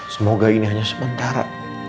semoga ini hanya sementara